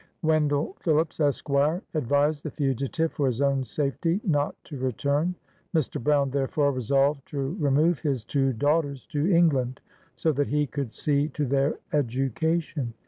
Wen dell Phillips, Esq., advised the fugitive, for his own safety, not to return. Mr. Brown therefore resolved to remove his two daughters to England, so that he could see to their education.